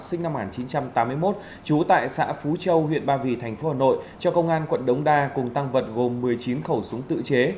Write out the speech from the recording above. sinh năm một nghìn chín trăm tám mươi một trú tại xã phú châu huyện ba vì tp hà nội cho công an quận đống đa cùng tăng vật gồm một mươi chín khẩu súng tự chế